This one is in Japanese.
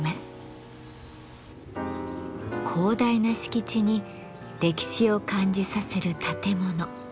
広大な敷地に歴史を感じさせる建物。